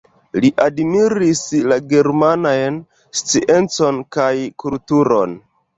Li admiris la germanajn sciencon kaj kulturon.